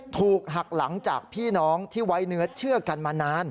ถูกหักหลังจากพี่น้องที่ไว้เนื้อเชื่อกันมานาน